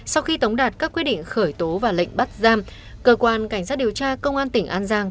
sau khi tống đạt các quyết định khởi tố và lệnh bắt giam cơ quan cảnh sát điều tra công an tỉnh an giang